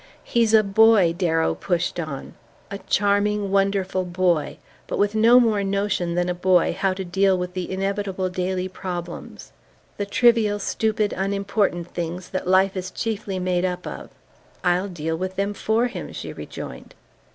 "He's a boy," Darrow pushed on, "a charming, wonderful boy; but with no more notion than a boy how to deal with the inevitable daily problems ... the trivial stupid unimportant things that life is chiefly made up of." "I'll deal with them for him," she rejoined.